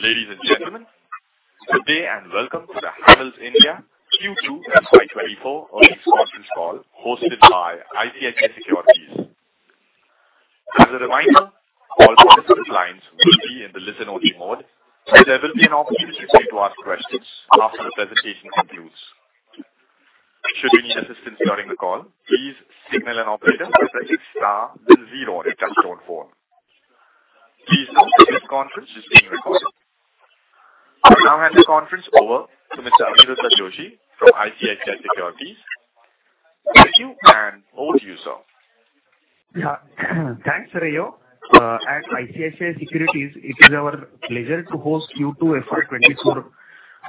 Ladies and gentlemen, good day, and welcome to the Havells India Q2 FY 2024 earnings conference call hosted by ICICI Securities. As a reminder, all participant lines will be in the listen-only mode, and there will be an opportunity to ask questions after the presentation concludes. Should you need assistance during the call, please signal an Operator by pressing star then zero on your touchtone phone. Please note that this conference is being recorded. I'll now hand the conference over to Mr. Aniruddha Joshi from ICICI Securities. Thank you, and over to you, sir. Yeah. Thanks, Rio. At ICICI Securities, it is our pleasure to host Q2 FY 2024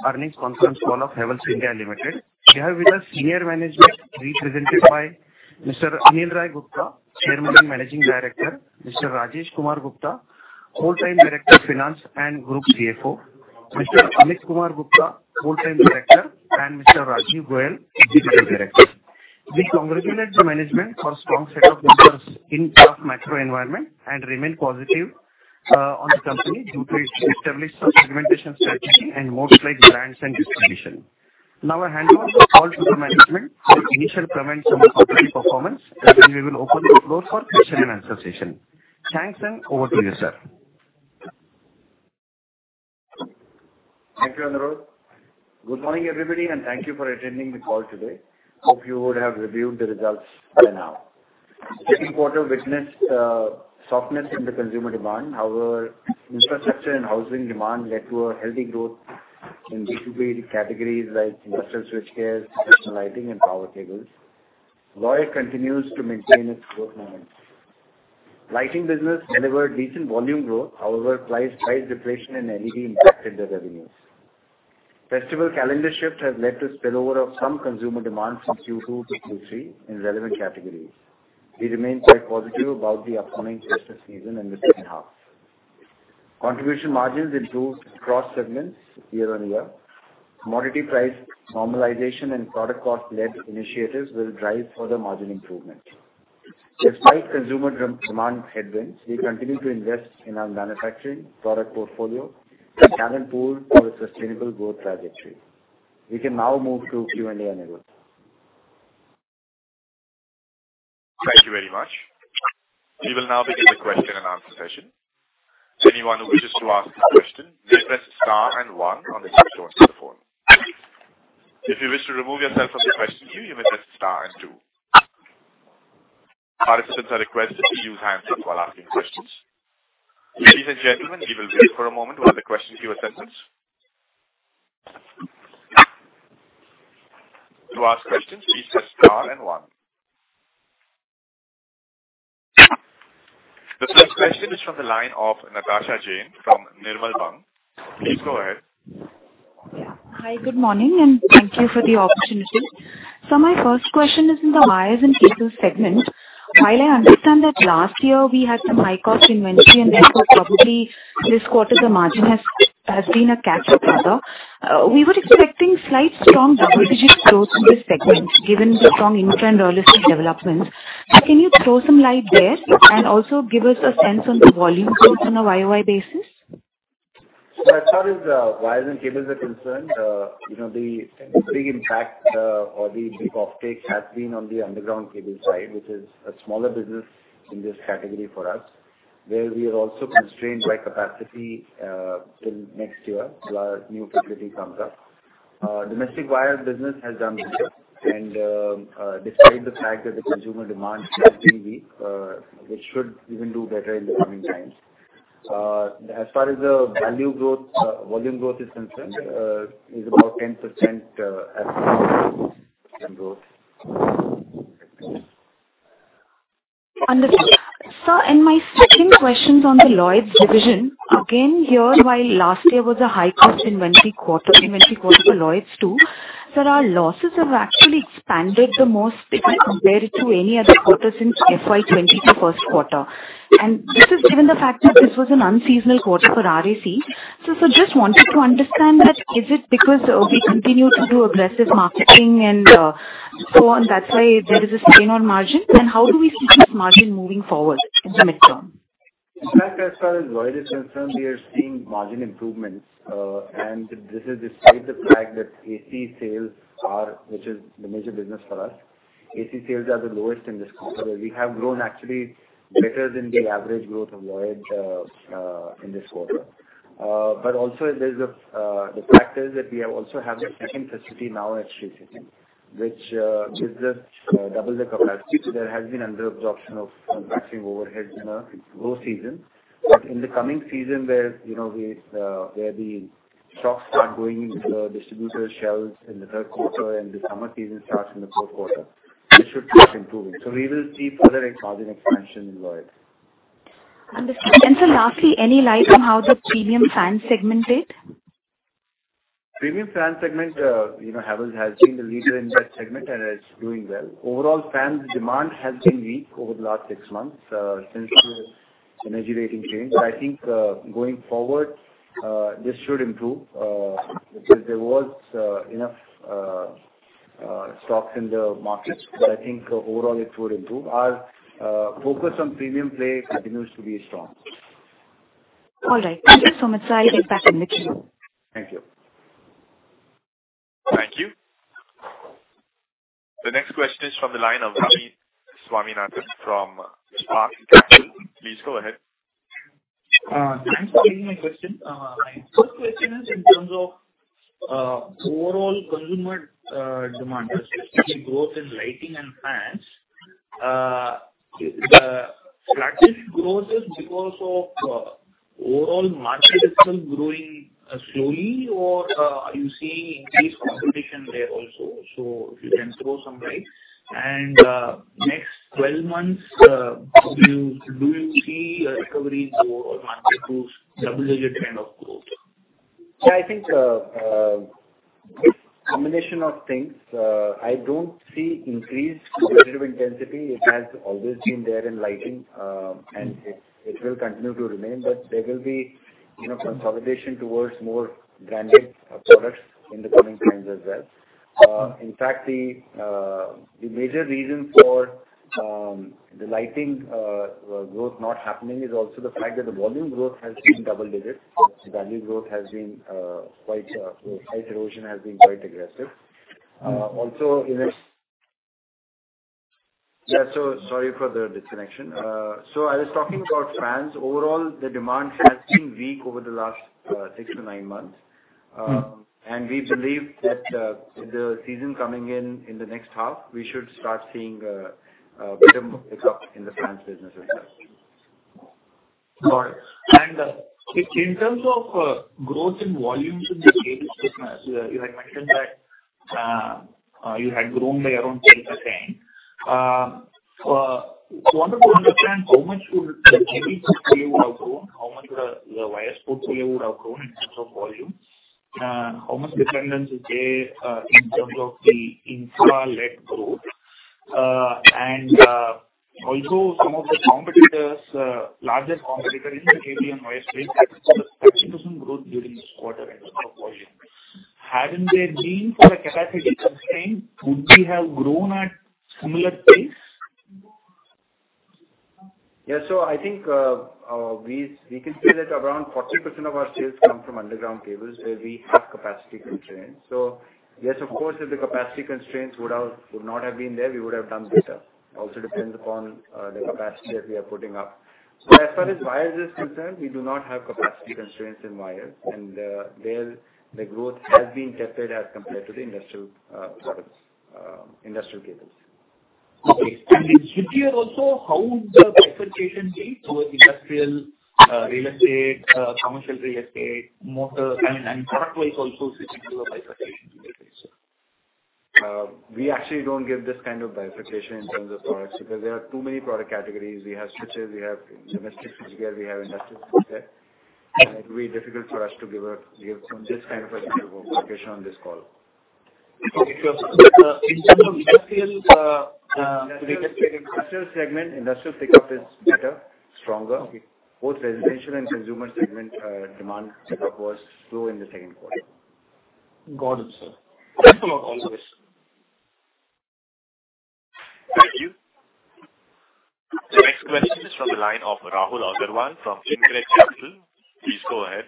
earnings conference call of Havells India Limited. We have with us senior management, represented by Mr. Anil Rai Gupta, Chairman and Managing Director, Mr. Rajesh Kumar Gupta, Whole-time Director, Finance and Group CFO, Mr. Ameet Kumar Gupta, Whole-time Director, and Mr. Rajiv Goel, Executive Director. We congratulate the management for a strong set of results in tough macro environment and remain positive on the company due to its established segmentation strategy and multiplied brands and distribution. Now, I hand over the call to the management for initial comments on the quarterly performance, and we will open the floor for question-and-answer session. Thanks, and over to you, sir. Thank you, Aniruddha. Good morning, everybody, and thank you for attending the call today. Hope you would have reviewed the results by now. Second quarter witnessed softness in the consumer demand. However, infrastructure and housing demand led to a healthy growth in B2B categories like industrial switchgears, traditional lighting, and power cables. Lloyd continues to maintain its growth momentum. Lighting business delivered decent volume growth. However, price, price deflation and LED impacted the revenues. Festival calendar shift has led to spillover of some consumer demand from Q2 to Q3 in relevant categories. We remain quite positive about the upcoming festive season in the second half. Contribution margins improved across segments year-on-year. Commodity price normalization and product cost-led initiatives will drive further margin improvement. Despite consumer demand headwinds, we continue to invest in our manufacturing, product portfolio, and talent pool for sustainable growth trajectory. We can now move to Q&A mode. Thank you very much. We will now begin the question-and-answer session. Anyone who wishes to ask a question, please press star and one on the touch-tone telephone. If you wish to remove yourself from the question queue, you may press star and two. Participants are requested to use handsets while asking questions. Ladies and gentlemen, we will wait for a moment while the questions queue attendants. To ask questions, please press star and one. The first question is from the line of Natasha Jain from Nirmal Bang. Please go ahead. Yeah. Hi, good morning, and thank you for the opportunity. My first question is in the wires and cables segment. While I understand that last year we had some high-cost inventory, and therefore, probably this quarter the margin has been a catch-up rather. We were expecting slight strong double-digit growth in this segment, given the strong infra and rural development. Can you throw some light there, and also give us a sense on the volume growth on a YoY basis? As far as wires and cables are concerned, you know, the big impact or the big offtake has been on the underground cable side, which is a smaller business in this category for us, where we are also constrained by capacity till next year, till our new facility comes up. Domestic wire business has done well, and despite the fact that the consumer demand has been weak, we should even do better in the coming times. As far as the value growth, volume growth is concerned, is about 10% as growth. Understood. Sir, my second question's on the Lloyd's division. Again, here, while last year was a high-cost inventory quarter, inventory quarter for Lloyd's, too, sir, our losses have actually expanded the most if you compare it to any other quarter since FY 2022, first quarter. This is given the fact that this was an unseasonal quarter for RAC. Just wanted to understand that, is it because we continue to do aggressive marketing and so on, that's why there is a strain on margin? How do we see this margin moving forward in the midterm? In fact, as far as Lloyd is concerned, we are seeing margin improvements, and this is despite the fact that A.C. sales are, which is the major business for us, A.C. sales are the lowest in this quarter. We have grown actually better than the average growth of Lloyd in this quarter. Also, the fact is that we also have the second facility now at Sri City, which gives us double the capacity. There has been under-absorption of capacity overhead in a low season. In the coming season where, you know, where the stocks are going into the distributor shelves in the third quarter, and the summer season starts in the fourth quarter, it should start improving. We will see further margin expansion in Lloyd. Understood. Sir, lastly, any light on how the premium fan segment did? Premium fan segment, you know, Havells has been the leader in that segment, and it's doing well. Overall, fan demand has been weak over the last six months since the energy rating change. I think going forward, this should improve because there was enough stocks in the markets, but I think overall it would improve. Our focus on premium play continues to be strong. All right. Thank you so much. I'll get back in the queue. Thank you. Thank you. The next question is from the line of Ravi Swaminathan from Spark Capital. Please go ahead. Thanks for taking my question. My first question is in terms of overall consumer demand, especially growth in lighting and fans. The sluggish growth is because of overall market is still growing slowly, or are you seeing increased competition there also? If you can throw some light. Next 12 months, do you see a recovery or market to double-digit kind of growth? Yeah, I think it's a combination of things. I don't see increased competitive intensity. It has always been there in lighting, and it will continue to remain, but there will be, you know, consolidation towards more branded products in the coming times as well. In fact, the major reason for the lighting growth not happening is also the fact that the volume growth has been double digits. Value growth has been quite, price erosion has been quite aggressive. Also in a... Yeah, sorry for the disconnection. I was talking about fans. Overall, the demand has been weak over the last six to nine months. We believe that the season coming in, in the next half, we should start seeing better pickup in the fans business as well. Got it. In terms of growth in volumes in the cable business, you had mentioned that you had grown by around 10%. I wanted to understand how much would the cable portfolio have grown, how much would the wires portfolio have grown in terms of volume? How much dependence is there in terms of the infra-led growth? Although some of the competitors, larger competitor in the cable and wire space, had a 30% growth during this quarter in terms of volume, hadn't there been for a capacity constraint, would we have grown at similar pace? Yeah. I think we can say that around 40% of our sales come from underground cables, where we have capacity constraints. Yes, of course, if the capacity constraints would not have been there, we would have done better. Also depends upon the capacity that we are putting up. As far as wires is concerned, we do not have capacity constraints in wires, and there the growth has been tapered as compared to the industrial products, industrial cables. Okay. In switchgear also, how would the bifurcation be towards industrial, real estate, commercial real estate, motor, and product-wise also switching to a bifurcation? We actually don't give this kind of bifurcation in terms of product because there are too many product categories. We have switched, we have domestic switchgear, we have industrial switchgear. And it will be difficult for us to give this kind of bifurcation on this call. Okay. In terms of industrial. Industrial segment, industrial pickup is better, stronger. Okay. Both residential and consumer segment demand pickup was slow in the second quarter. Got it, sir. Thanks a lot for this. Thank you. The next question is from the line of Rahul Agarwal from InCred Capital. Please go ahead.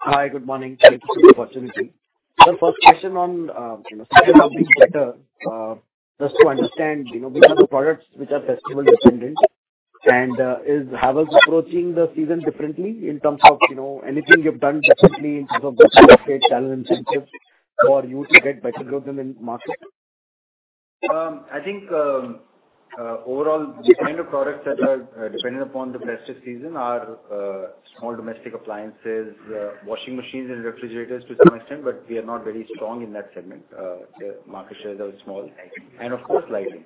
Hi, good morning. Thank you for the opportunity. The first question on, you know, second half being better, just to understand, you know, which are the products which are festival dependent, and is Havells approaching the season differently in terms of, you know, anything you've done differently in terms of channel incentives for you to get better growth in the market? I think overall, the kind of products that are dependent upon the festive season are small domestic appliances, washing machines and refrigerators to some extent, but we are not very strong in that segment. The market shares are small. Right. Of course, lighting.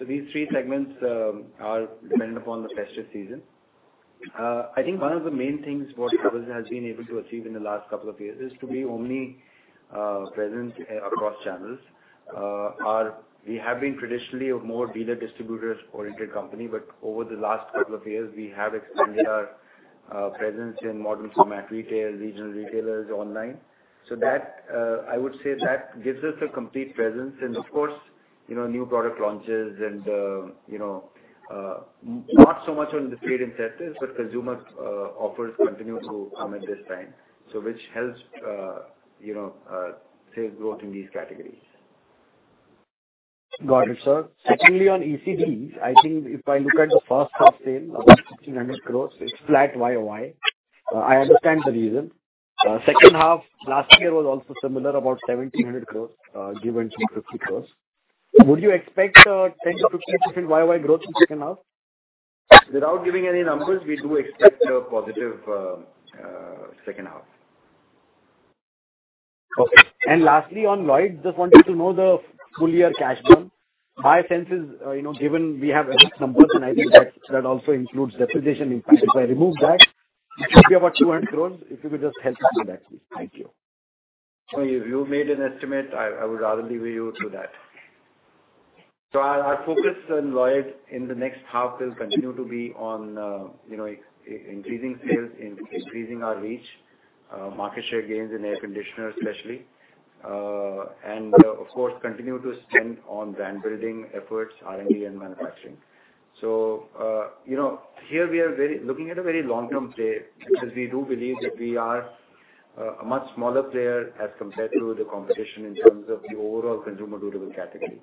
These three segments are dependent upon the festive season. I think one of the main things what Havells has been able to achieve in the last couple of years is to be only present across channels. We have been traditionally a more dealer, distributors-oriented company, but over the last couple of years, we have expanded our presence in modern format retail, regional retailers, online. That, I would say, gives us a complete presence. Of course, you know, new product launches and, you know, not so much on the trade incentives, but consumer offers continue to come at this time. Which helps, you know, sales growth in these categories. Got it, sir. Secondly, on ECDs, I think if I look at the first half sale, about 1,600 crore, it's flat YoY. I understand the reason. Second half last year was also similar, about 1,700 crore, given some 50 crore. Would you expect 10%-15% YoY growth in second half? Without giving any numbers, we do expect a positive second half. Okay. Lastly, on Lloyd, just wanted to know the full-year cash burn. My sense is, you know, given we have numbers, and I think that that also includes depreciation. In fact, if I remove that, it should be about 200 crore, if you could just help me with that, please. Thank you. You made an estimate. I would rather leave you to that. Our focus on Lloyd in the next half will continue to be on, you know, increasing sales and increasing our reach, market share gains in air conditioner especially, and, of course, continue to spend on brand building efforts, R&D and manufacturing. You know, here we are looking at a very long-term play, because we do believe that we are a much smaller player as compared to the competition in terms of the overall consumer durable category.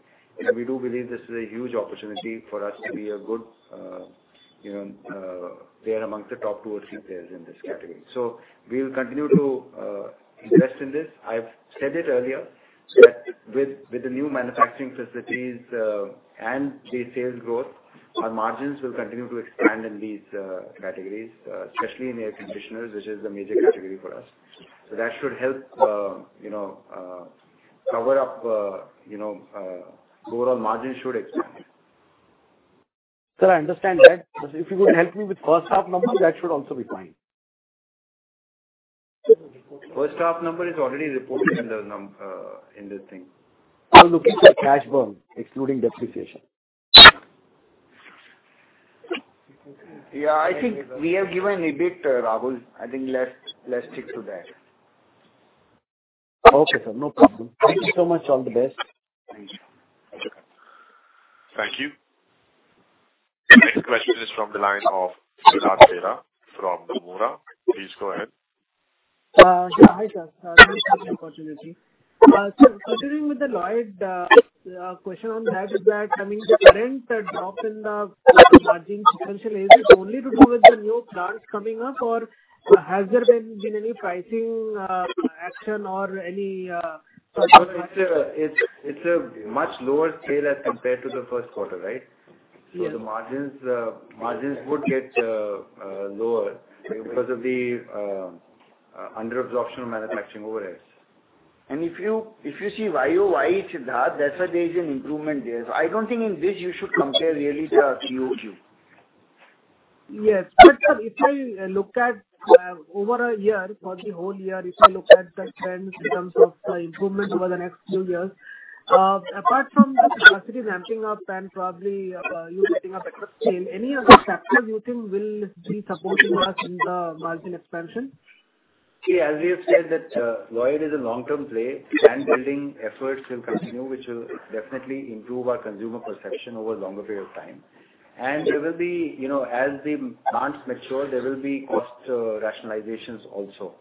We do believe this is a huge opportunity for us to be a good, you know, player amongst the top two or three players in this category. We will continue to invest in this. I've said it earlier that with the new manufacturing facilities and the sales growth, our margins will continue to expand in these categories, especially in air conditioners, which is the major category for us. That should help, you know, overall margin should expand. Sir, I understand that. If you could help me with first half number, that should also be fine. First half number is already reported in the thing. I'm looking for cash burn, excluding depreciation. Yeah, I think we have given EBIT, Rahul. I think let's stick to that. Okay, sir, no problem. Thank you so much. All the best. Thank you. Thank you. The next question is from the line of Siddhartha Bera from Nomura. Please go ahead. Yeah. Hi, sir. Thank you for the opportunity. Sir, continuing with the Lloyd question on that, is that I mean, the current drop in the margin essentially, is it only to do with the new plants coming up, or has there been any pricing action or any? It's a much lower as compared to the first quarter, right? Yes. The margins would get lower because of the under-absorption manufacturing overheads. If you see YoY, Siddharth, there is an improvement there. I don't think in this you should compare really the QoQ. Yes, sir, if I look at over a year, for the whole year, if I look at the trends in terms of the improvement over the next few years, apart from the capacity ramping up and probably you setting up a good chain, any other factors you think will be supporting us in the margin expansion? See, as we have said, that Lloyd is a long-term play, and building efforts will continue, which will definitely improve our consumer perception over a longer period of time. There will be, you know, as the plants mature, there will be cost rationalizations also.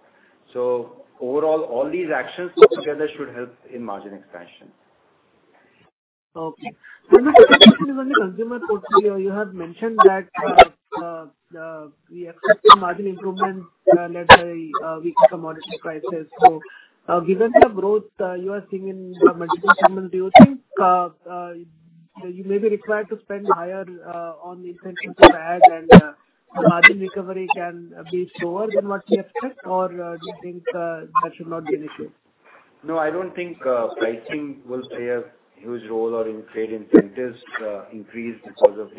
Overall, all these actions put together should help in margin expansion. Okay. The second question is on the consumer portfolio. You have mentioned that we expect some margin improvements, let's say, weaker commodity prices. Given the growth you are seeing in the margin segment, do you think you may be required to spend higher on incentives to add, and the margin recovery can be slower than what we expect? Do you think that should not be an issue? No, I don't think pricing will play a huge role or trade incentives increase because of,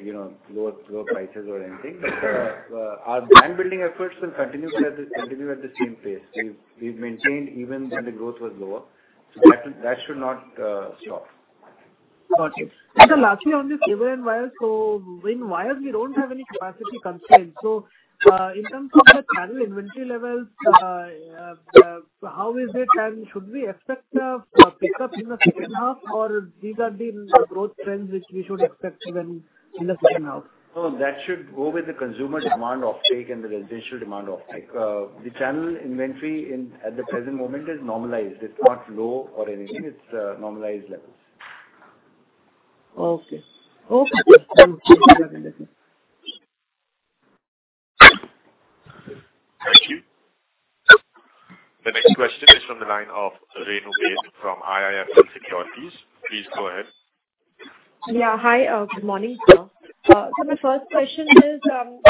you know, lower prices or anything. Our brand building efforts will continue at the same pace. We've maintained even when the growth was lower, so that should not stop. Got it. And sir lastly, on the cable and wires, we don't have any capacity constraints. So, in terms of the channel inventory levels how is it and should we expect a pickup in the second half or these are been growth trends which we should expect even in the second half? No, that should go with the consumer demand offtake and the residential demand offtake. The channel inventory at the present moment is normalized. It's not low or anything, it's normalized levels. Okay. Okay. Thank you. The next question is from the line of Renu Baid from IIFL Securities. Please go ahead. Yeah. Hi, good morning, sir. My first question is,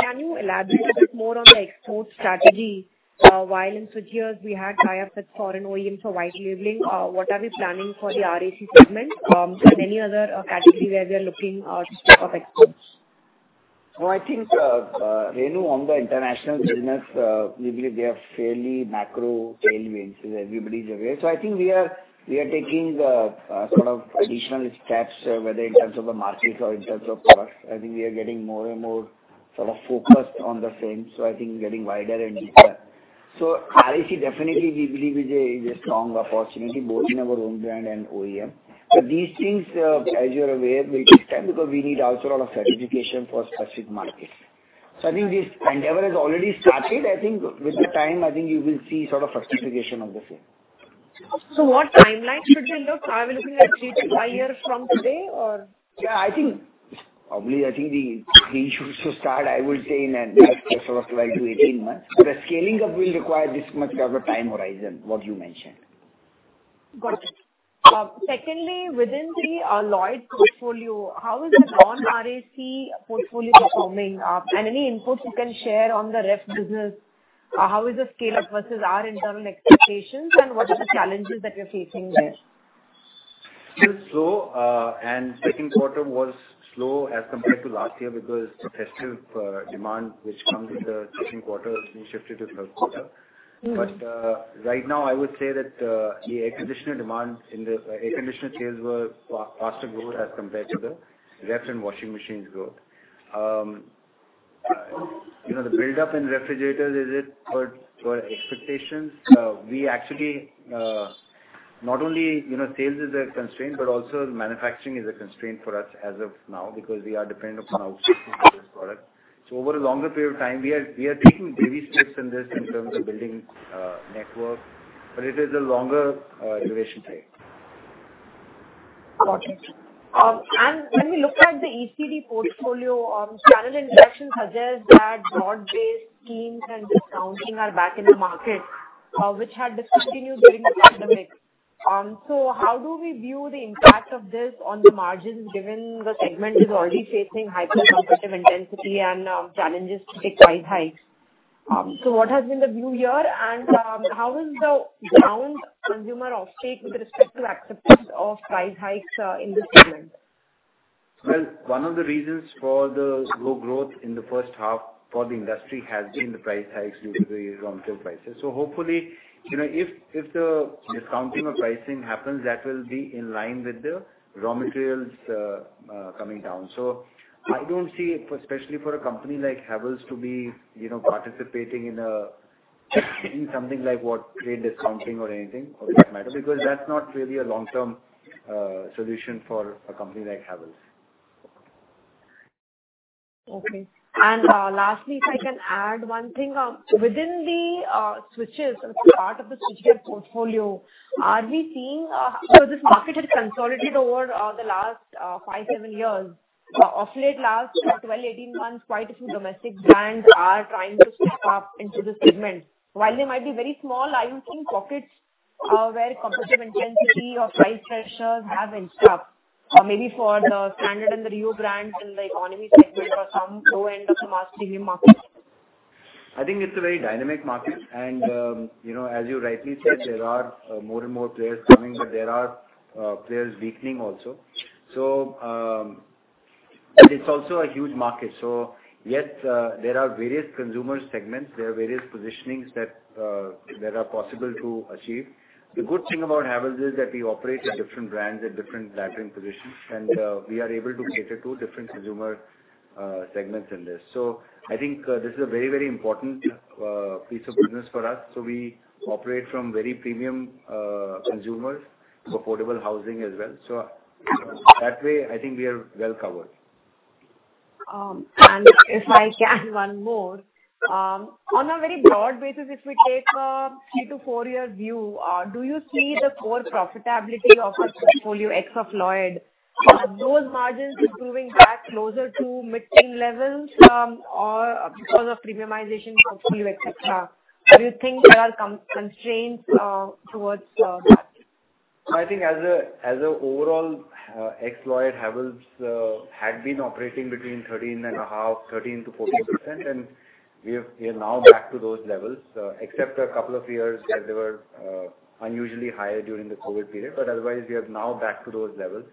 can you elaborate a bit more on the export strategy? While in switchgear we had tie-ups with foreign OEM for white labeling, what are we planning for the RAC segment? Any other category where we are looking to step up exports? I think, Renu, on the international business, we believe we have fairly macro tailwinds. Everybody's aware. I think we are taking sort of additional steps, whether in terms of the markets or in terms of products. I think we are getting more and more sort of focused on the same, so I think getting wider and deeper. RAC definitely we believe is a strong opportunity, both in our own brand and OEM. These things, as you're aware, will take time, because we need also a lot of certification for specific markets. I think this endeavor has already started. I think with the time, I think you will see sort of certification of the same. What timeline should we look? Are we looking at three to five years from today, or? Yeah, I think, probably I think the things should start, I would say, in a sort of like to 18 months. The scaling up will require this much of a time horizon, what you mentioned. Got it. Secondly, within the Lloyd portfolio, how is the non-RAC portfolio performing? Any inputs you can share on the ref business, how is the scale-up versus our internal expectations, and what are the challenges that you're facing there? Still slow, and second quarter was slow as compared to last year because the festive demand, which comes in the second quarter, has been shifted to third quarter. Right now, I would say that the air conditioner demand air conditioner sales were faster growth as compared to the ref and washing machines growth. You know, the buildup in refrigerators is it per expectations. We actually, not only, you know, sales is a constraint, but also manufacturing is a constraint for us as of now, because we are dependent upon this product. Over a longer period of time, we are taking baby steps in this in terms of building network, but it is a longer duration time. Got it. When we look at the ECD portfolio, channel interaction suggests that broad-based schemes and discounting are back in the market, which had discontinued during the pandemic. How do we view the impact of this on the margins, given the segment is already facing hypercompetitive intensity and challenges to take price hikes? What has been the view here, and how is the down consumer offtake with respect to acceptance of price hikes in this segment? Well, one of the reasons for the low growth in the first half for the industry has been the price hikes due to the raw material prices. Hopefully, you know, if the discounting or pricing happens, that will be in line with the raw materials coming down. I don't see, especially for a company like Havells, to be, you know, participating in something like what, trade discounting or anything for that matter, because that's not really a long-term solution for a company like Havells. Okay. Lastly, if I can add one thing. Within the switches as part of the switches portfolio, are we seeing... This market has consolidated over the last five, seven years. Of late, last 12-18 months, quite a few domestic brands are trying to step up into the segment. While they might be very small, are you seeing pockets where competitive intensity or price pressures have increased up? Or maybe for the Standard and the REO brands in the economy segment or some low end of the mass premium market. I think it's a very dynamic market, and, you know, as you rightly said, there are more and more players coming, but there are players weakening also. It's also a huge market. Yes, there are various consumer segments. There are various positionings that are possible to achieve. The good thing about Havells is that we operate at different brands at different pricing positions, and we are able to cater to different consumer segments in this. I think this is a very, very important piece of business for us. We operate from very premium consumers to affordable housing as well. That way, I think we are well covered. If I can, one more. On a very broad basis, if we take a three to four-year view, do you see the core profitability of a portfolio ex of Lloyd? Are those margins improving back closer to mid-teen levels, or because of premiumization of portfolio, et cetera? Do you think there are constraints towards that? I think overall, ex-Lloyd Havells had been operating between 13.5%, 13%-14%, and we are now back to those levels, except for a couple of years that they were unusually higher during the COVID period. Otherwise, we are now back to those levels.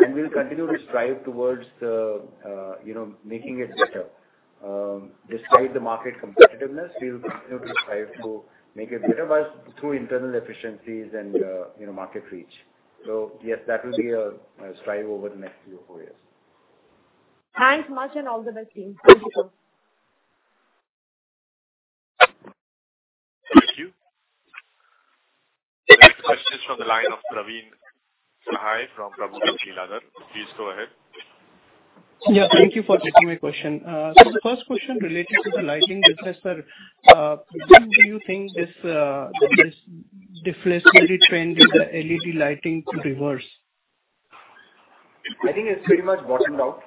We'll continue to strive towards the, you know, making it better. Despite the market competitiveness, we will continue to strive to make it better, but through internal efficiencies and, you know, market reach. Yes, that will be a strive over the next few, four years. Thanks much, and all the best, team. Thank you. Thank you. Next question is from the line of Praveen Sahay from Prabhudas Lilladher. Please go ahead. Yeah, thank you for taking my question. The first question related to the lighting business, sir. When do you think this deflationary trend with the LED lighting to reverse? I think it's pretty much bottomed out.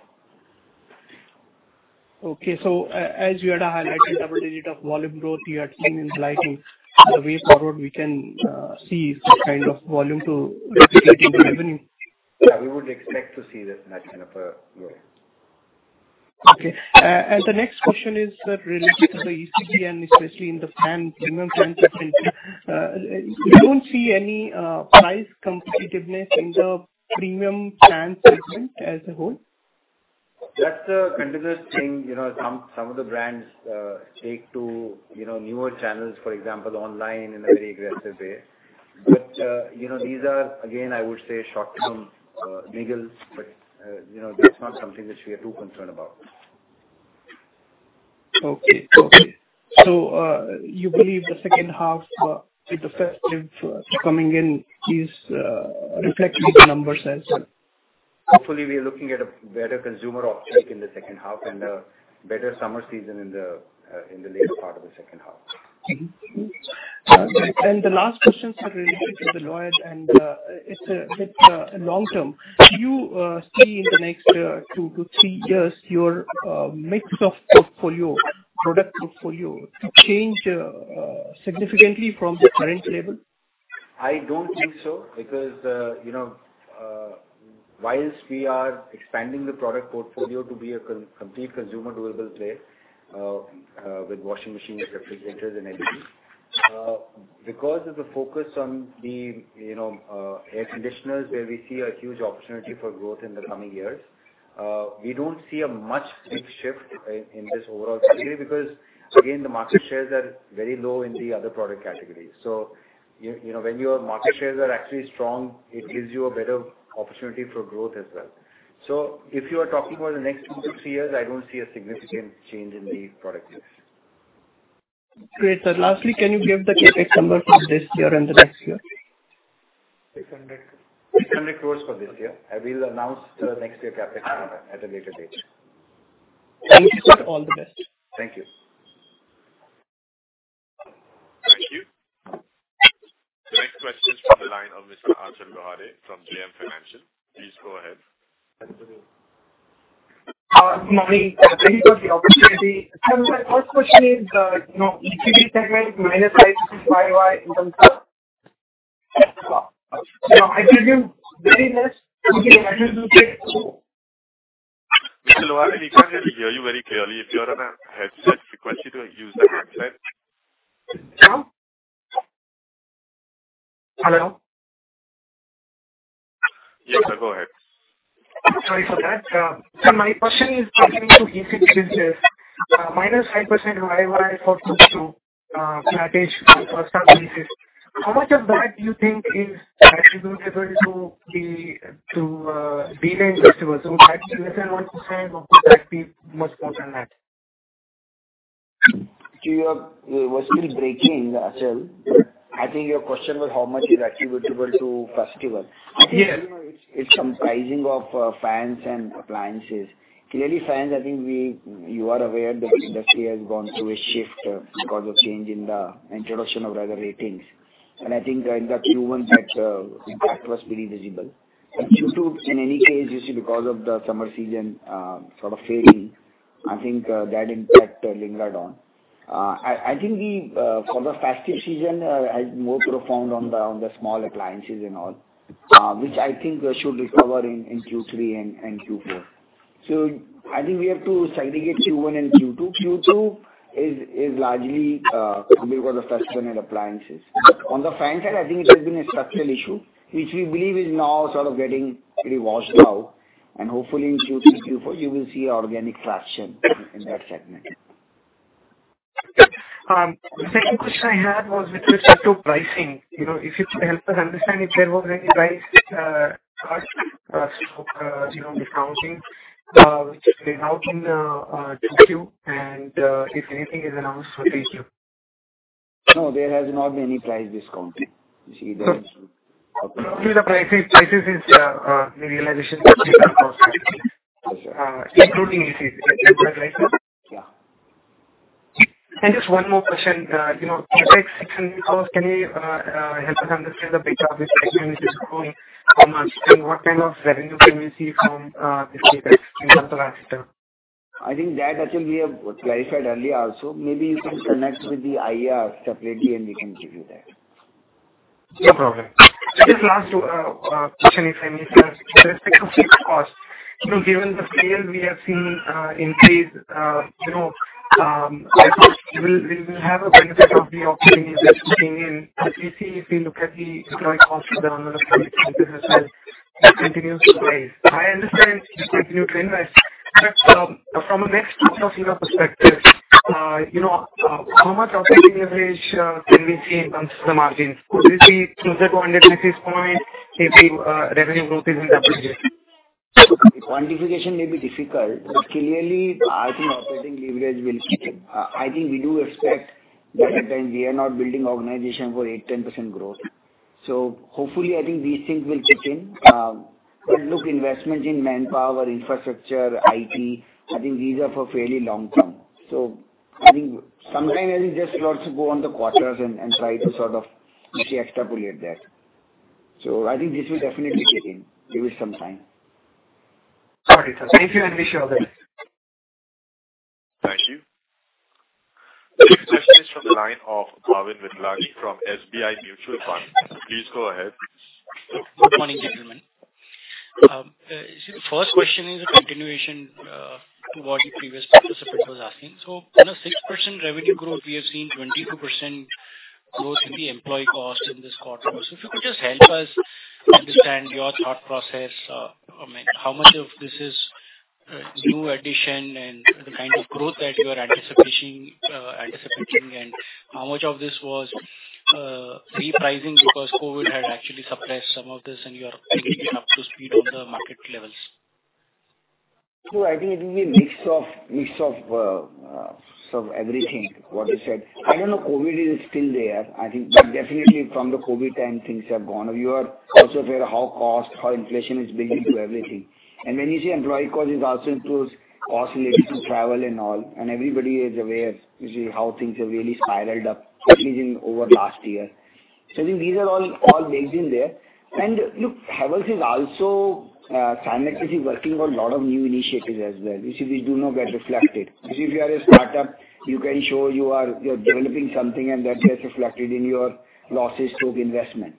Okay. As you had highlighted, double-digit of volume growth you had seen in lighting. The way forward, we can see some kind of volume to revenue. Yeah, we would expect to see this, that kind of a growth. Okay. The next question is, sir, related to the ECD and especially in the fan, premium fan segment. You don't see any price competitiveness in the premium fan segment as a whole? That's a continuous thing. You know, some of the brands take to, you know, newer channels, for example, online, in a very aggressive way. But, you know, these are, again, I would say, short-term niggles, but, you know, that's not something which we are too concerned about. Okay. Okay. You believe the second half with the festive coming in is reflected in the numbers as well? Hopefully, we are looking at a better consumer offtake in the second half and a better summer season in the later part of the second half. The last question, sir, related to the Lloyd, and it's a bit long-term. Do you see in the next two to three years your mix of portfolio, product portfolio to change significantly from the current level? I don't think so, because, you know. Whilst we are expanding the product portfolio to be a complete consumer durable play with washing machines, refrigerators, and everything. Because of the focus on the, you know, air conditioners, where we see a huge opportunity for growth in the coming years, we don't see a much big shift in this overall category, because, again, the market shares are very low in the other product categories. You know, when your market shares are actually strong, it gives you a better opportunity for growth as well. If you are talking about the next two-three years, I don't see a significant change in the product mix. Great, sir. Lastly, can you give the CapEx number for this year and the next year? INR 600, INR 600 crore for this year. I will announce the next year CapEx number at a later date. Thank you, sir. All the best. Thank you. Thank you. The next question is from the line of Mr. Achal Lohade from JM Financial. Please go ahead. Good morning. Thank you for the opportunity. My first question is, you know, ECD segment, -5% YoY in terms of... Mr. Lohade, we can't hear you very clearly. If you're on a headset frequency, do use the headset. Hello? Yes, sir, go ahead. Sorry for that. My question is pertaining to ECD business. -5% YoY for Q2, flattish for first half YoY. How much of that do you think is attributable to the delay in festival? Actually less than 1%, or could that be much more than that? Your voice is breaking, Achal. I think your question was how much is attributable to festival? Yes. I think, you know, it's comprising of fans and appliances. Clearly, fans, I think you are aware the industry has gone through a shift because of change in the introduction of rather ratings. I think in the Q1 that impact was pretty visible. Q2, in any case, you see, because of the summer season sort of failing, I think that impact lingered on. I think for the festive season has more profound on the smaller appliances and all, which I think should recover in Q3 and Q4. I think we have to segregate Q1 and Q2. Q2 is largely because of festival and appliances. On the fan side, I think it has been a structural issue, which we believe is now sort of getting pretty washed out, and hopefully in Q3, Q4, you will see organic traction in that segment. The second question I had was with respect to pricing. You know, if you can help us understand if there was any price cut, you know, discounting which was laid out in Q2, and if anything is announced for Q3? No, there has not been any price discount. You see there. Due to the pricing, pricing is the realization including A.C. Is that right? Yeah. Just one more question. You know, CapEx INR 600 crore, can you help us understand the breakdown of which is going how much, and what kind of revenue can we see from this CapEx in terms of asset? I think that, Achal, we have clarified earlier also. Maybe you can connect with the IR separately, and we can give you that. No problem. Just last question, if I may, sir. With respect to fixed costs, you know, given the scale we have seen increase, you know, I think we will have a benefit of the operating leverage kicking in. We see if we look at the employee costs, the number of businesses continues to rise. I understand you continue to invest, but from a next touch of figure perspective, you know, how much operating leverage can we see in terms of the margins? Could we see closer to 100 basis point if the revenue growth is interpreted? Quantification may be difficult, but clearly I think operating leverage will kick in. I think we do expect that again, we are not building organization for 8%-10% growth. Hopefully, I think these things will kick in. But look, investments in manpower, infrastructure, I.T., I think these are for fairly long-term. I think sometime I think just lots to go on the quarters and try to sort of see extrapolate that. I think this will definitely kick in. Give it some time. Got it, sir. Thank you, and wish you all the best. Thank you. Next question is from the line of Bhavin Vithlani from SBI Mutual Fund. Please go ahead. Good morning, gentlemen. The first question is a continuation to what the previous participant was asking. On a 6% revenue growth, we have seen 22% growth in the employee cost in this quarter. If you could just help us understand your thought process, I mean, how much of this is new addition and the kind of growth that you are anticipating, and how much of this was repricing because COVID had actually suppressed some of this and you are getting it up to speed on the market levels? I think it will be a mix of sort of everything what you said. I don't know, COVID is still there. I think but definitely from the COVID time, things have gone. You are also aware how inflation is building to everything. When you say employee cost, it also includes costs related to travel and all, and everybody is aware, you see how things have really spiraled up, especially over the last year. I think these are all baked in there. Look, Havells is also silently working on a lot of new initiatives as well, which we do not get reflected. Because if you are a startup, you can show you are developing something, and that gets reflected in your losses to investment.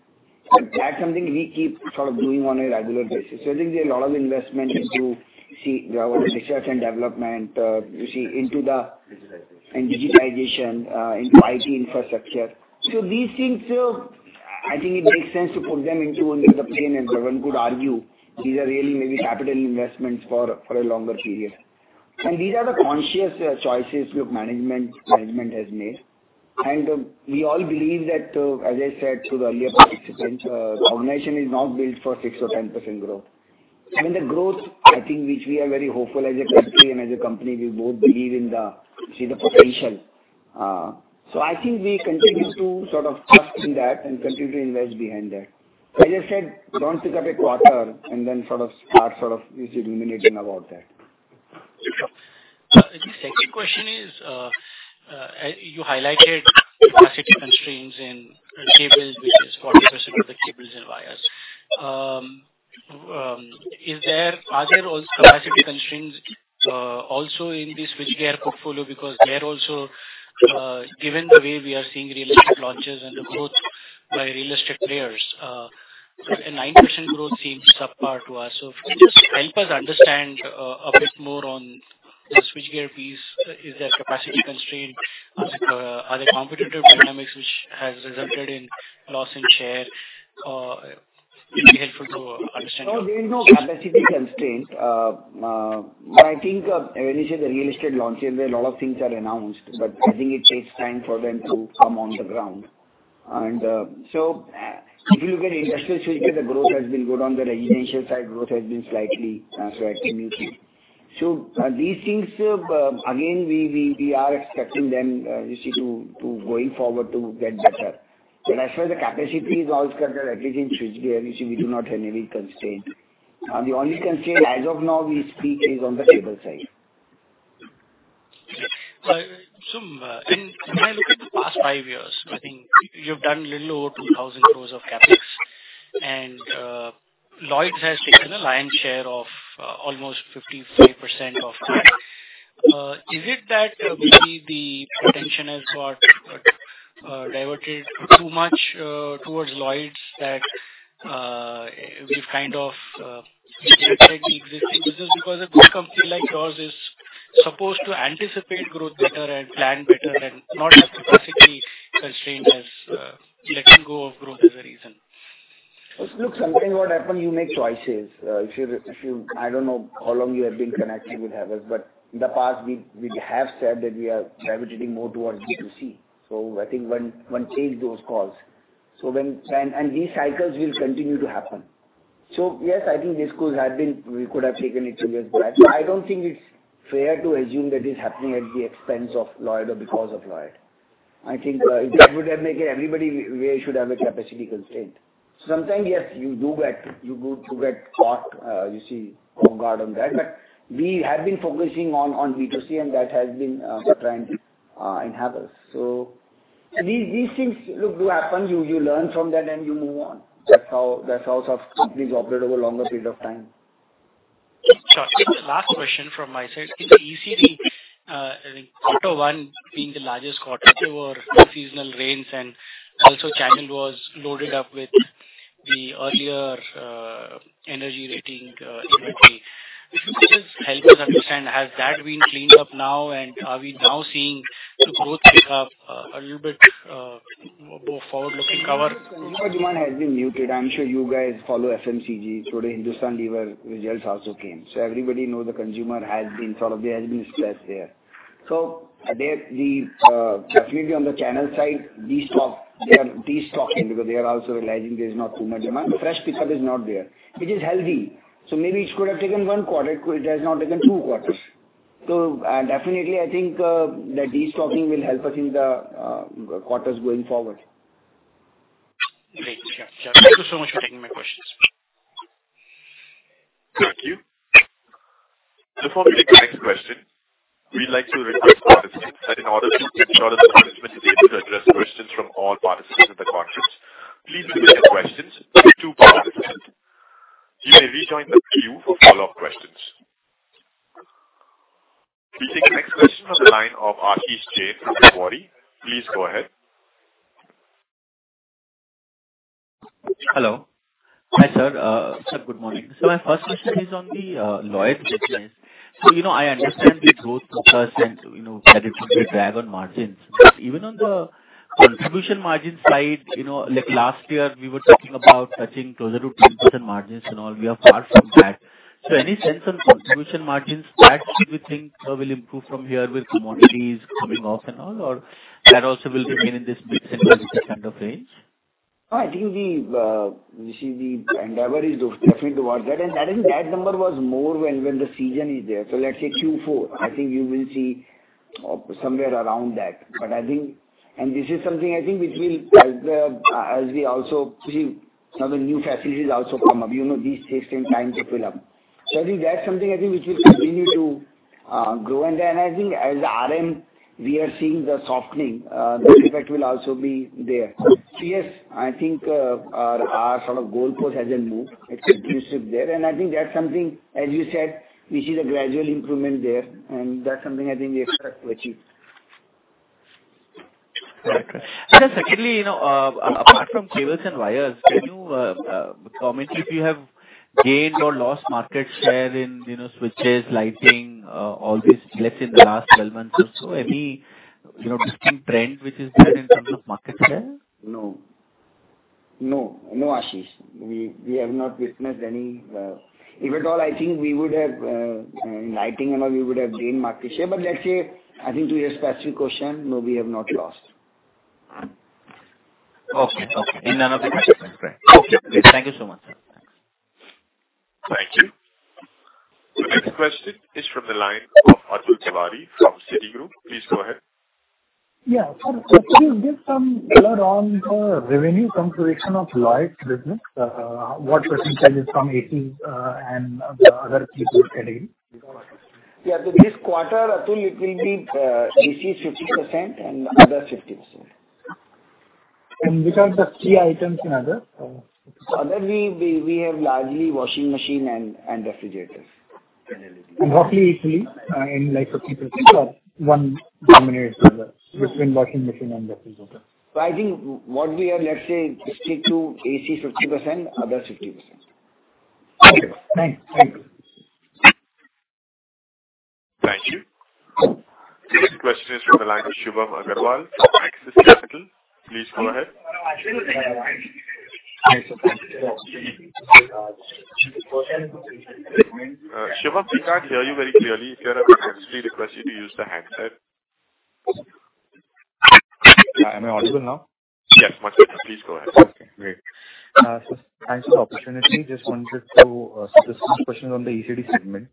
That's something we keep sort of doing on a regular basis. I think there are a lot of investment into, see, our research and development, you see, into the. Digitization. Digitization into I.T. infrastructure. These things, I think it makes sense to put them into the plan, and everyone could argue these are really maybe capital investments for a longer period. These are the conscious choices your management has made. We all believe that, as I said to the earlier participant, organization is not built for 6% or 10% growth. I mean, the growth, I think, which we are very hopeful as a country and as a company, we both believe in the, you see, the potential. I think we continue to sort of trust in that and continue to invest behind that. As I said, don't pick up a quarter and then sort of start, sort of, you see, ruminating about that. Sure. The second question is, you highlighted capacity constraints in cables, which is 40% of the cables and wires. Are there also capacity constraints also in the switchgear portfolio? Because there also, given the way we are seeing real estate launches and the growth by real estate players, a 9% growth seems subpar to us. Could you just help us understand a bit more on the switchgear piece? Is there capacity constraint? Are there competitive dynamics which has resulted in loss in share? It'd be helpful to understand. No, there is no capacity constraint. I think when you say the real estate launches, where a lot of things are announced, but I think it takes time for them to come on the ground. If you look at industrial switchgear, the growth has been good. On the residential side, growth has been slightly sort of continued. These things, again, we are expecting them, you see, to going forward to get better. As far as the capacity is all scattered, at least in switchgear, you see, we do not have any constraint. The only constraint as of now we speak is on the cable side. When I look at the past five years, I think you've done little over 2,000 crore of CapEx, and Lloyd's has taken a lion share of almost 55% of that. Is it that maybe the attention has got diverted too much towards Lloyd's that we've kind of neglected the existing business? Because a good company like yours is supposed to anticipate growth better and plan better and not have capacity constraint as letting go of growth as a reason. Look, sometime what happen, you make choices. If you... I don't know how long you have been connected with us, but in the past, we have said that we are gravitating more towards B2C. I think one change those calls. When... and these cycles will continue to happen. Yes, I think this could have been, we could have taken it serious, but I don't think it's fair to assume that it's happening at the expense of Lloyd or because of Lloyd. I think that would make everybody, we should have a capacity constraint. Sometime, yes, you do get caught, you see, off guard on that, but we have been focusing on B2C, and that has been the trend in Havells. These things, look, do happen. You learn from that, and you move on. That's how some companies operate over a longer period of time. Last question from my side. In the ECD, quarter one being the largest quarter, there were seasonal rains, and also channel was loaded up with the earlier energy rating inventory. Just help us understand, has that been cleaned up now, and are we now seeing growth pick up a little bit more forward-looking cover? Has been muted. I'm sure you guys follow FMCG. Today, Hindustan Unilever results also came, so everybody know the consumer has been sort of. There has been a stress there. There, definitely on the channel side, they are destocking because they are also realizing there's not too much demand. The fresh pickup is not there, which is healthy. Maybe it could have taken one quarter, it has not taken two quarters. Definitely, I think the destocking will help us in the quarters going forward. Great. Sure. Thank you so much for taking my questions. Thank you. Before we take the next question, we'd like to request participants that in order to ensure the management is able to address questions from all participants in the conference, please limit your questions to two parts. You may rejoin the queue for follow-up questions. We take the next question from the line of Ashish Jain from Macquarie. Please go ahead. Hello. Hi, sir. Good morning. My first question is on the Lloyd business. You know, I understand the growth percent, you know, that it will be a drive on margins. Even on the contribution margin side, you know, like last year, we were talking about touching closer to 10% margins and all, we are far from that. Any sense on contribution margins that you think will improve from here with commodities coming off and all, or that also will remain in this similar kind of range? I think, you see, the endeavor is definitely toward that, and I think that number was more when the season is there. Let's say Q4, I think you will see somewhere around that. I think this is something which will, as we also see now, the new facilities also come up, you know, these takes time to fill up. I think that's something I think which will continue to grow. I think as R.M., we are seeing the softening, that effect will also be there. Yes, I think our sort of goal post hasn't moved. It still there, and I think that's something, as you said, we see a gradual improvement there, and that's something I think we expect to achieve. Sir, secondly, you know, apart from cables and wires, can you comment if you have gained or lost market share in, you know, switches, lighting, all these bits in the last 12 months or so? Any, you know, distinct trend which is there in terms of market share? No. No, no, Ashish. We have not witnessed any. If at all, I think we would have in lighting and all, we would have gained market share. Let's say, I think to your specific question, no, we have not lost. Okay, okay. Okay. Thank you so much, sir. Thank you. The next question is from the line of Atul Tiwari from Citigroup. Please go ahead. Yeah. Sir, could you give some color on the revenue contribution of Lloyd business? What percentage is from A.C. and the other category? Yeah, this quarter, Atul, it will be A.C. 50% and other 50%. Which are the key items in other? Other, we have largely washing machine and refrigerators. Roughly equally in, like, 50% or one dominates the other between washing machine and refrigerator? I think what we have, let's say, 50 to A.C. 50%, other 50%. Okay. Thanks. Thank you. Thank you. This question is from the line of Shubham Aggarwal from Axis Capital. Please go ahead. Shubham, we can't hear you very clearly. If you have, kindly request you to use the handset. Am I audible now? Yes, much better. Please go ahead. Okay, great. Thanks for the opportunity. Just wanted to ask some questions on the ECD segment.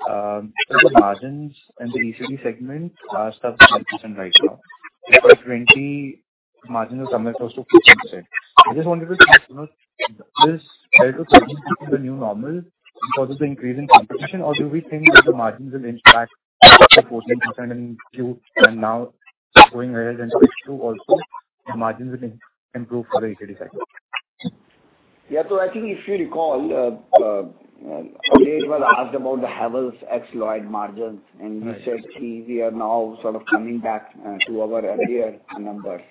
The margins in the ECD segment are sub 10% right now. For 2020, margins were somewhere close to 50%. I just wanted to know, is this the new normal because of the increase in competition, or do we think that the margins will impact the 14% in Q, and now going ahead into H2 also, the margins will improve for the ECD segment? Yeah. I think if you recall, it was asked about the Havells ex-Lloyd margins, and he said, "See, we are now sort of coming back to our earlier numbers.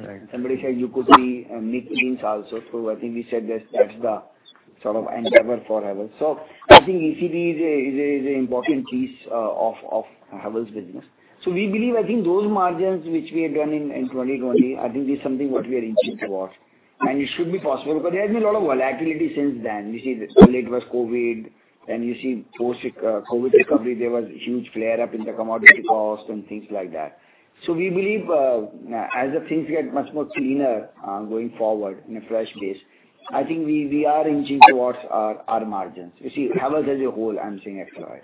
Right. Somebody said you could see mid-teens also. I think we said that, that's the sort of endeavor forever. I think ECD is an important piece of Havells business. We believe, I think those margins which we had done in 2020, I think it's something what we are inching towards, and it should be possible. There has been a lot of volatility since then. You see, earlier it was COVID, then you see post-COVID recovery, there was huge flare-up in the commodity costs and things like that. We believe as the things get much more cleaner going forward in a fresh base, I think we are inching towards our margins. You see, Havells as a whole, I'm seeing ex-Lloyd.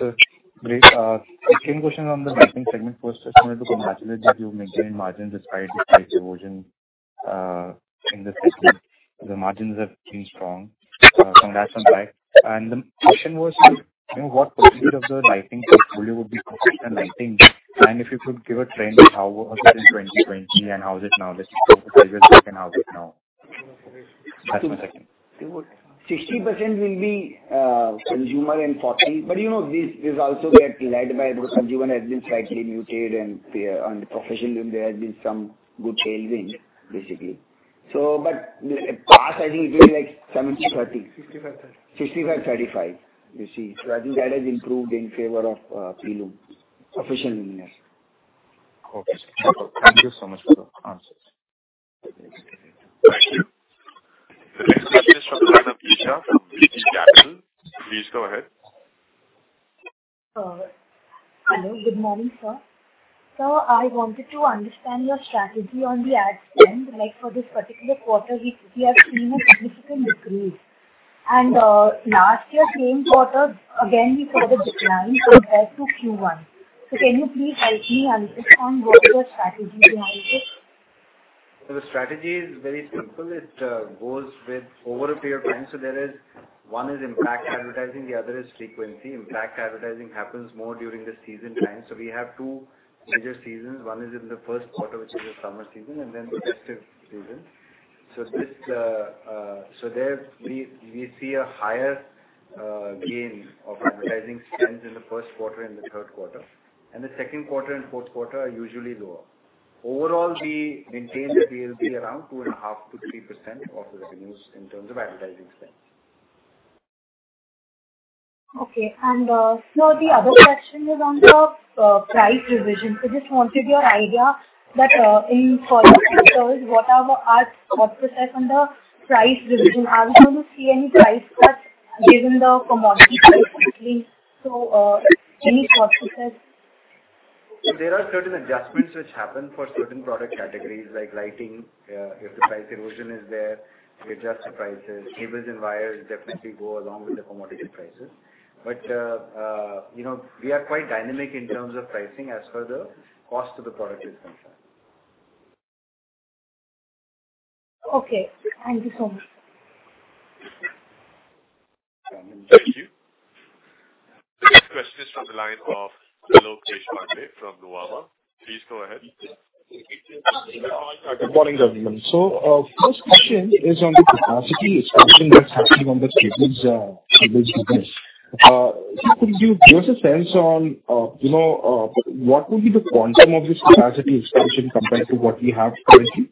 Okay. Great. Second question on the lighting segment. First, similar to the margins, that you maintained margins despite the price erosion in the system. The margins have been strong. Congrats on that. The question was, you know, what percentage of the lighting portfolio would be perfect and lighting? If you could give a trend of how was it in 2020, and how is it now? Just compare and how is it now? That's my second. 60% will be consumer and 40%. But, you know, this also get led by the consumer, has been slightly muted, and on the professional, there has been some good tailwind, basically. But the past, I think it was like 70/30. 65/35. 65/35, you see. I think that has improved in favor of premium professional lighting. Okay. Thank you so much for the answers. Thank you. The next question is from the line of Isha Capital. Please go ahead. Hello. Good morning, sir. Sir, I wanted to understand your strategy on the ad spend. Like for this particular quarter, we have seen a significant decrease. Last year same quarter, again, we saw the decline compared to Q1. Can you please help me understand what your strategy is behind it? The strategy is very simple. It goes with over a period of time. There is, one is impact advertising, the other is frequency. Impact advertising happens more during the season time. We have two major seasons. One is in the first quarter, which is the summer season, and then the festive season. There we see a higher gain of advertising spend in the first quarter and the third quarter, and the second quarter and fourth quarter are usually lower. Overall, we maintain that we will be around 2.5%-3% of revenues in terms of advertising spend. Okay. The other question is on the price revision. Just wanted your idea that in following quarters, what are our cost effects on the price revision? Are we going to see any price cuts given the commodity price increase? Any cost effects? There are certain adjustments which happen for certain product categories, like lighting. If the price erosion is there, we adjust the prices. Cables and wires definitely go along with the commodity prices. You know, we are quite dynamic in terms of pricing as per the cost of the product is concerned. Okay. Thank you so much. Thank you. The next question is from the line of Alok Deshpande from Nuvama. Please go ahead. Good morning, everyone. First question is on the capacity expansion that's happening on the cables business. Could you give us a sense on, you know, what would be the quantum of this capacity expansion compared to what we have currently?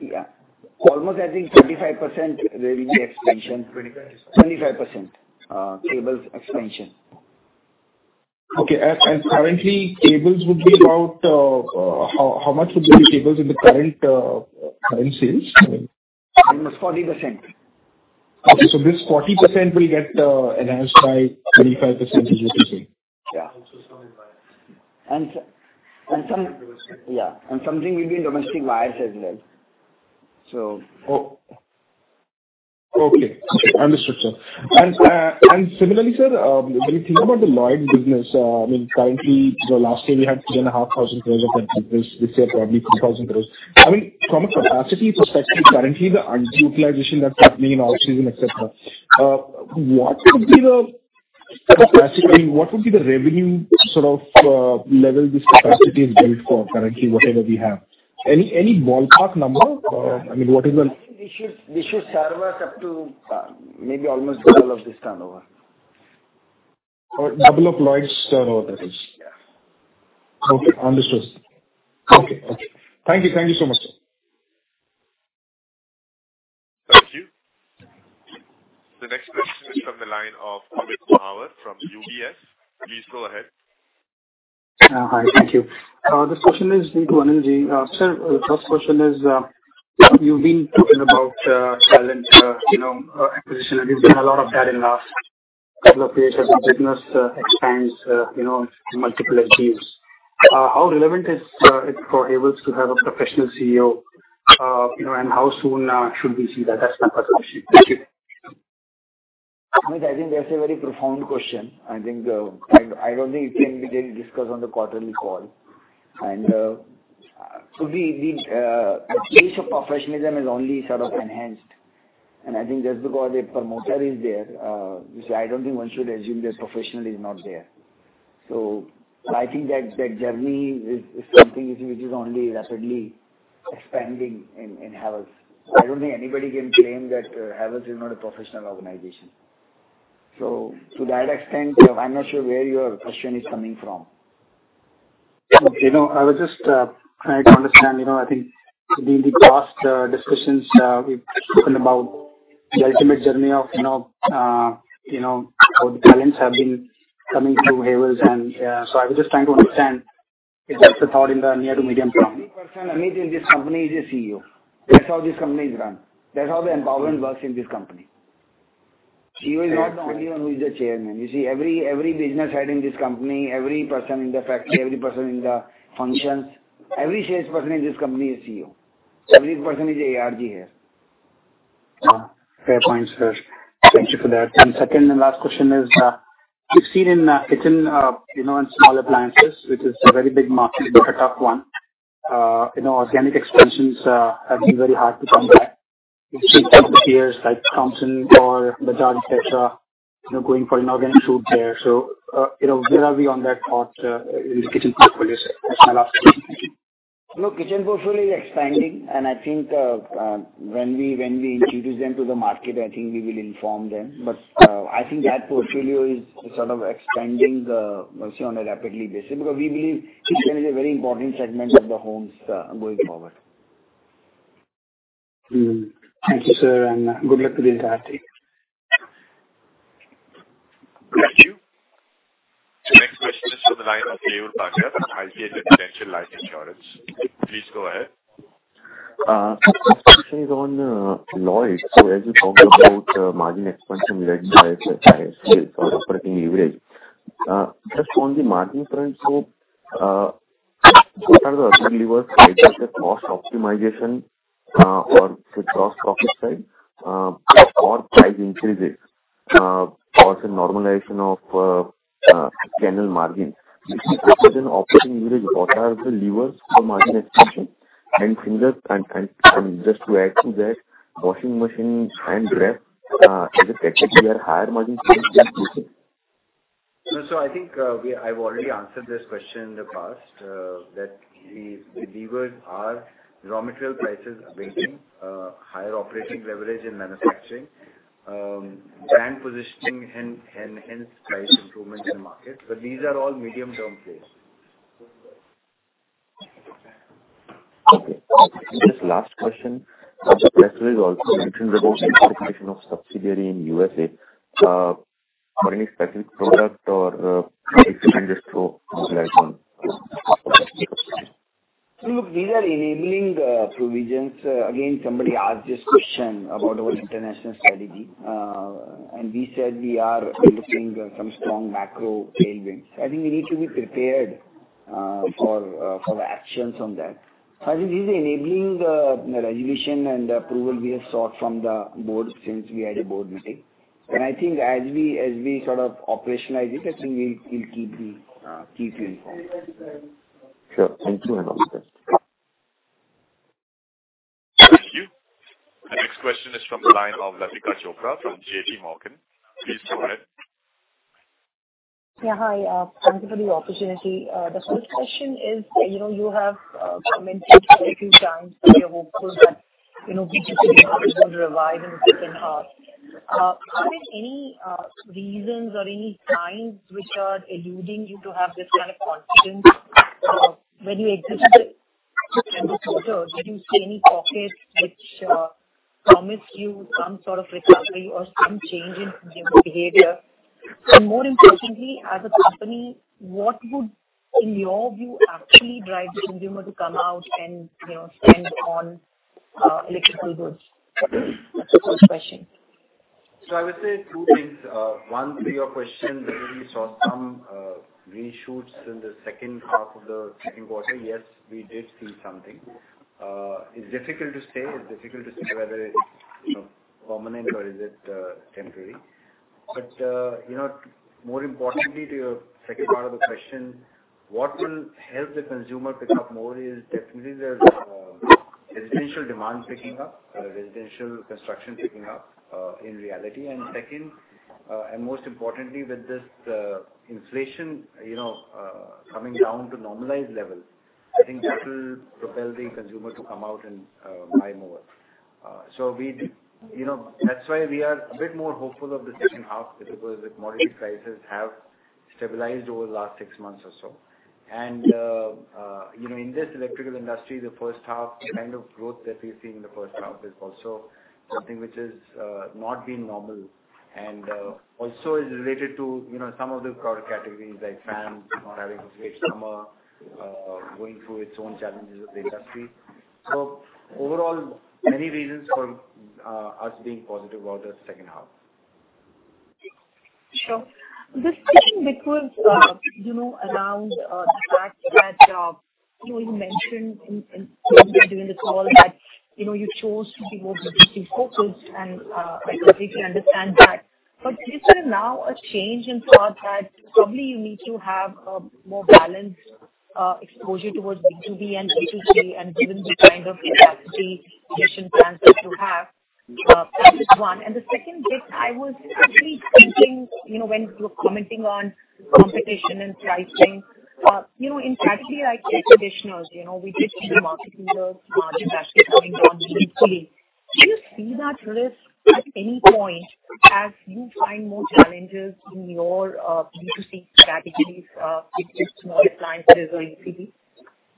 Yeah. Almost, I think 25% there will be expansion. 25%? 25% cables expansion. Okay. Currently, cables would be about how much would be the cables in the current sales? Almost 40%. Okay, this 40% will get enhanced by 25%, you're just saying? Yeah. Also some- Yeah, and something will be in domestic wires as well. Oh, okay. Understood, sir. Similarly, sir, when you think about the Lloyd business, I mean, currently, so last year we had 3,500 crore of this year, probably 2,000 crore. I mean, from a capacity perspective, currently the underutilization that's happening in off-season, et cetera, what would be the revenue sort of level this capacity is built for currently, whatever we have? Any ballpark number? I mean, what is the- We should serve us up to maybe almost double of this turnover. Double of Lloyd's turnover, that is? Yeah. Okay, understood. Okay. Okay. Thank you. Thank you so much, sir. Thank you. The next question is from the line of Amit Mahawar from UBS. Please go ahead. Hi. Thank you. This question is to Anilji. Sir, the first question is, you've been talking about talent, you know, acquisition, and there's been a lot of that in the last couple of years as the business expands, you know, to multiple categories. How relevant is it for Havells to have a professional CEO? You know, and how soon should we see that? That's my first question. Thank you. Amit, I think that's a very profound question. I don't think it's something we can discuss on the quarterly call. The place of professionalism is only sort of enhanced, and I think just because a promoter is there, which I don't think one should assume that professional is not there. I think that journey is something which is only rapidly expanding in Havells. I don't think anybody can claim that Havells is not a professional organization. To that extent, I'm not sure where your question is coming from. You know, I was just trying to understand. You know, I think in the past discussions we've spoken about the ultimate journey of, you know, you know, how the talents have been coming through Havells. So I was just trying to understand if that's the thought in the near to medium term. Every person, Amit, in this company is a CEO. That's how this company is run. That's how the empowerment works in this company. CEO is not the only one who is the Chairman. You see, every business head in this company, every person in the factory, every person in the functions, every salesperson in this company is CEO. Every person is ARG here. Ah, fair point, sir. Thank you for that. Second and last question is, we've seen in kitchen, you know, and small appliances, which is a very big market, but a tough one, you know, organic expansions have been very hard to come by. Like Crompton or Bajaj, et cetera, you know, going for an organic route there. You know, where are we on that thought in the kitchen portfolio? That's my last question. Thank you. No, kitchen portfolio is expanding, and I think when we introduce them to the market, I think we will inform them. I think that portfolio is sort of expanding, you see, on a rapidly basis, because we believe kitchen is a very important segment of the homes going forward. Thank you, sir, and good luck with the entire team. Thank you. The next question is from the line of Keyur Pandya, ICICI Prudential Life Insurance. Please go ahead. This question is on Lloyd. As you talked about margin expansion led by operating leverage, just on the margin front, so what are the other levers, like as a cost optimization or the gross profit side or price increases or the normalization of general margin? If it is an operating leverage, what are the levers for margin expansion? Similar, just to add to that, washing machines and ref as a category are higher margin than this? I think I've already answered this question in the past that the levers are raw material prices are bringing higher operating leverage in manufacturing, brand positioning and hence price improvements in market. These are all medium-term plays. Okay. Just last question. The press release also mentions about the incorporation of subsidiary in USA for any specific product or if you can just throw more light on? Look, these are enabling provisions. Again, somebody asked this question about our international strategy. And we said we are looking at some strong macro tailwinds. I think we need to be prepared for the actions on that. So I think this is enabling resolution and approval we have sought from Board since we had a Board meeting. And I think as we sort of operationalize it, I think we'll keep you informed. Sure. Thank you very much. From the line of Latika Chopra from JPMorgan. Please go ahead. Yeah, hi. Thank you for the opportunity. The first question is, you know, you have commented quite a few times that you're hopeful that, you know, B2C is going to revive in the second half. Are there any reasons or any signs which are eluding you to have this kind of confidence? When you exited the quarter, did you see any pockets which promised you some sort of recovery or some change in consumer behavior? More importantly, as a company, what would, in your view, actually drive the consumer to come out and, you know, spend on electrical goods? That's the first question. I would say two things. One, to your question, whether we saw some green shoots in the second half of the second quarter. Yes, we did see something. It's difficult to say, it's difficult to say whether it's, you know, permanent or is it temporary. But, you know, more importantly, to your second part of the question, what will help the consumer pick up more is definitely there's residential demand picking up, residential construction picking up in reality. Second, and most importantly, with this inflation, you know, coming down to normalized level, I think that will propel the consumer to come out and buy more. We, you know, that's why we are a bit more hopeful of the second half, because the commodity prices have stabilized over the last six months or so. You know, in this electrical industry, the first half, the kind of growth that we've seen in the first half is also something which is not been normal and also is related to, you know, some of the product categories, like fans not having a great summer, going through its own challenges of the industry. Overall, many reasons for us being positive about the second half. Just checking because, you know, around the fact that, you know, you mentioned in during the call that, you know, you chose to be more B2C focused and I completely understand that. Is there now a change in thought that probably you need to have a more balanced exposure towards B2B and B2C, and given the kind of capacity expansion plans that you have? That is one. The second bit, I was actually thinking, you know, when you were commenting on competition and pricing, you know, in category, like air conditioners, you know, we did see the market leaders, market basket going down completely. Do you see that risk at any point as you find more challenges in your B2C strategies with the smaller clients that are in ECD?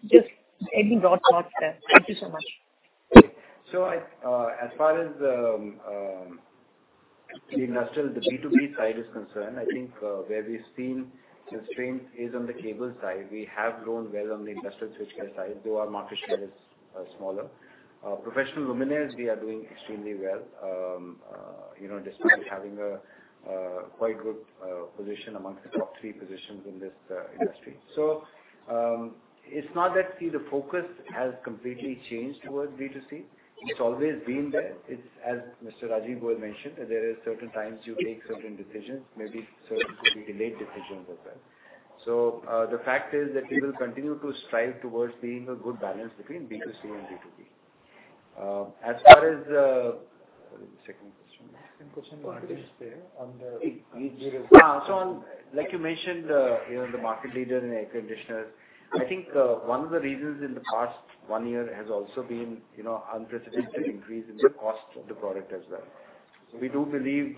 Just any broad thoughts there. Thank you so much. As far as the industrial, the B2B side is concerned, I think where we've seen the strength is on the cable side. We have grown well on the industrial switchgear side, though our market share is smaller. Professional luminaires, we are doing extremely well, you know, despite having a quite good position amongst the top three positions in this industry. It's not that, see, the focus has completely changed towards B2C. It's always been there. It's as Mr. Rajiv Goel mentioned, that there are certain times you take certain decisions, maybe certain could be delayed decisions as well. The fact is that we will continue to strive towards being a good balance between B2C and B2B. As far as the... What was the second question? Second question was just there on the. On, like you mentioned, you know, the market leader in air conditioners, I think one of the reasons in the past one year has also been, you know, unprecedented increase in the cost of the product as well. We do believe,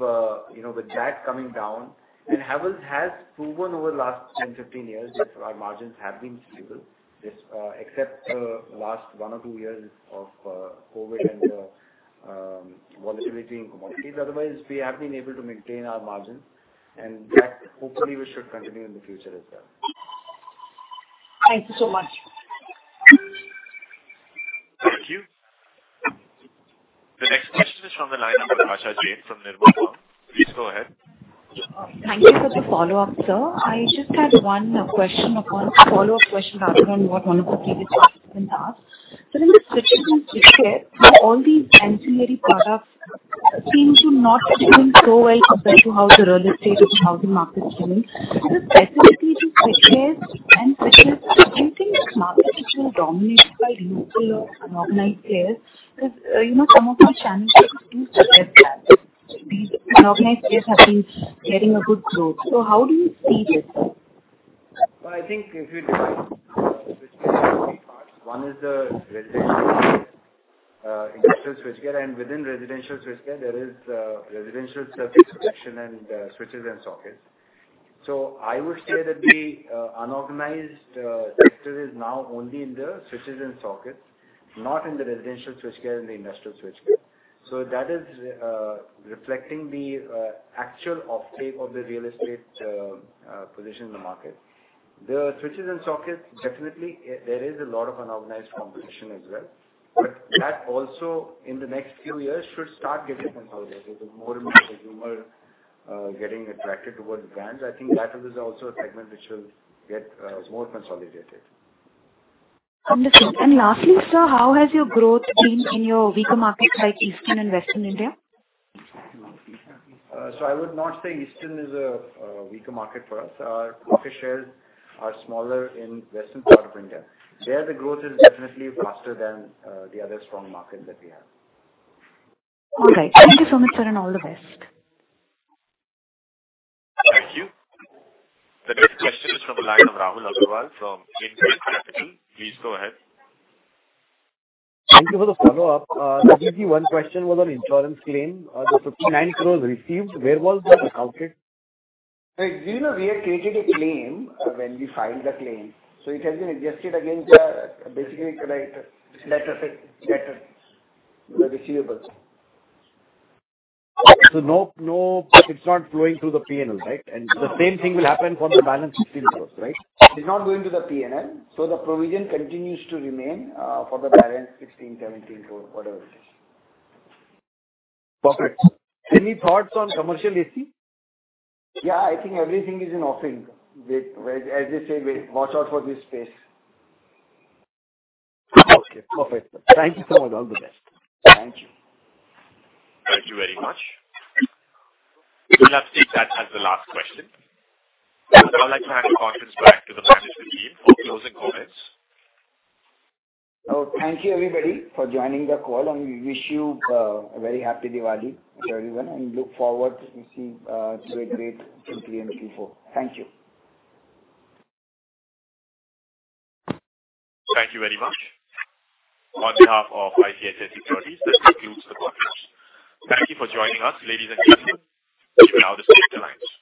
you know, with that coming down, and Havells has proven over the last 10, 15 years that our margins have been stable. This, except the last one or two years of COVID and volatility in commodities. Otherwise, we have been able to maintain our margins, and that hopefully will should continue in the future as well. Thank you so much. Thank you. The next question is from the line of Natasha Jain from Nirmal Bang. Please go ahead. Thank you for the follow-up, sir. I just had 1 question upon, follow-up question rather, on what 1 of the previous participants asked. In the switches and switchgear, all these ancillary products seem to not doing so well compared to how the real estate or how the market is doing. Specifically to switchgear and switches, do you think this market is more dominated by local or organized players? Because, you know, some of the challenges is that the organized players have been getting a good growth. How do you see this, sir? Well, I think if you divide switchgear into three parts, one is the residential switchgear, industrial switchgear, and within residential switchgear, there is residential circuit protection and switches and sockets. I would say that the unorganized sector is now only in the switches and sockets, not in the residential switchgear and the industrial switchgear. That is reflecting the actual off-take of the real estate position in the market. The switches and sockets, definitely, there is a lot of unorganized competition as well. That also, in the next few years, should start getting consolidated with more and more consumer getting attracted towards the brands. I think that is also a segment which will get more consolidated. Understood. Lastly, sir, how has your growth been in your weaker markets like Eastern and Western India? I would not say Eastern is a weaker market for us. Our market shares are smaller in western part of India. There, the growth is definitely faster than the other strong markets that we have. All right. Thank you so much, sir, and all the best. Thank you. The next question is from the line of Rahul Agarwal from InCred Capital. Please go ahead. Thank you for the follow-up. Maybe one question was on insurance claim. The INR 59 crore received, where was that accounted? You know, we had created a claim when we filed the claim, so it has been adjusted against the, basically, like, letter, the receivables. No, no, it's not flowing through the P&L, right? No. The same thing will happen for the balance INR 16 crore, right? It's not going to the P&L, so the provision continues to remain for the balance 16 crore-17 crore, whatever it is. Perfect. Any thoughts on commercial A.C.? Yeah, I think everything is in offering. We, as I say, we watch out for this space. Okay, perfect. Thank you so much. All the best. Thank you. Thank you very much. We will now take that as the last question. I would now like to hand the conference back to the management team for closing comments. Oh, thank you, everybody, for joining the call. We wish you a very happy Diwali to everyone and look forward to see great, great 2023 and 2024. Thank you. Thank you very much. On behalf of ICICI Securities, this concludes the conference. Thank you for joining us, ladies and gentlemen. You may now disconnect your lines.